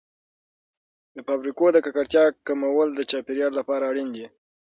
د فابریکو د ککړتیا کمول د چاپیریال لپاره اړین دي.